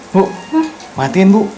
bu matiin bu